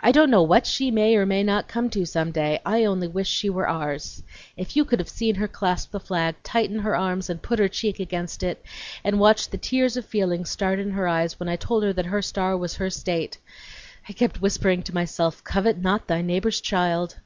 "I don't know what she may, or may not, come to, some day; I only wish she were ours! If you could have seen her clasp the flag tight in her arms and put her cheek against it, and watched the tears of feeling start in her eyes when I told her that her star was her state! I kept whispering to myself, Covet not thy neighbor's child!'"